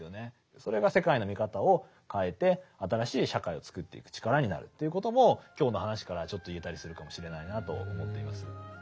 それが世界の見方を変えて新しい社会をつくっていく力になるということも今日の話からはちょっと言えたりするかもしれないなと思っています。